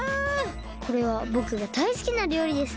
これはぼくがだいすきなりょうりですね。